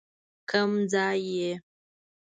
کيم ځي ئې